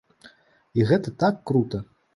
І гэта так крута!